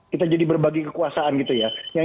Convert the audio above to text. kita jadi berbagi kekuasaan gitu ya